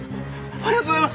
ありがとうございます！